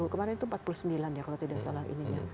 kemarin itu empat puluh sembilan ya kalau tidak salah